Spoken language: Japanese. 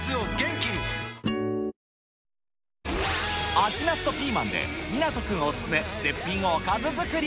秋ナスとピーマンで、湊君お勧め絶品おかず作り。